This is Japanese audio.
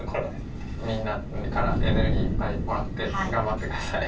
みんなからエネルギーいっぱいもらって頑張ってください。